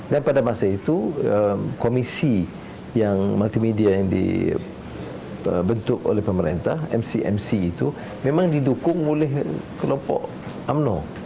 dan pada masa itu komisi yang multimedia yang dibentuk oleh pemerintah mcmc itu memang didukung oleh kelompok umno